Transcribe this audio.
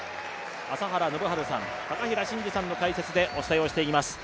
朝原宣治さん、高平慎士さんの解説でお伝えをしていきます。